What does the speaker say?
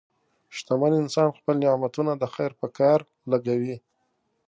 شتمن انسان خپل نعمتونه د خیر په کار لګوي.